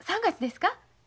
３月ですか？